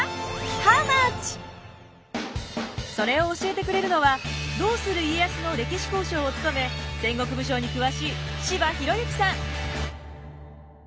それを教えてくれるのは「どうする家康」の歴史考証を務め戦国武将に詳しい柴裕之さん。